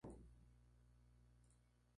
Era el pequeño de los Nadal.